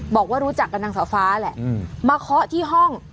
บอกว่ารู้จักกับนางสาวฟ้าแหละมาเคาะที่ห้อง